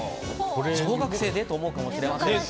小学生で？と思うかもしれませんが。